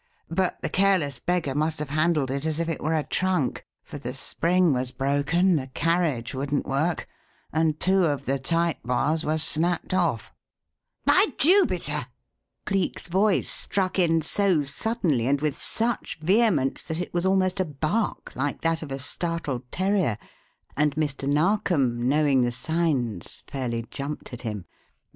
But the careless beggar must have handled it as if it were a trunk, for the spring was broken, the carriage wouldn't work, and two of the type bars were snapped off." "By Jupiter!" Cleek's voice struck in so suddenly and with such vehemence that it was almost a bark, like that of a startled terrier, and Mr. Narkom, knowing the signs, fairly jumped at him.